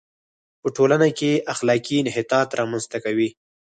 په ټولنه کې اخلاقي انحطاط را منځ ته کوي.